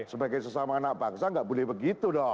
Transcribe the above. sebagai sesama anak bangsa nggak boleh begitu dong